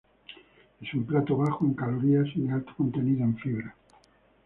Es un plato bajo en calorías y de alto contenido en fibra.